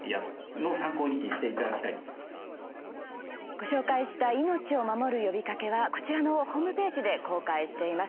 ご紹介した「命を守る呼びかけ」はこちらのホームページで公開しています。